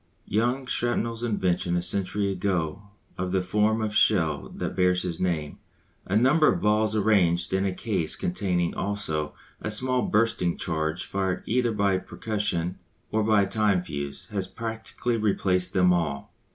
Young Shrapnell's invention a century ago of the form of shell that bears his name, a number of balls arranged in a case containing also a small bursting charge fired either by percussion or by a time fuse, has practically replaced them all.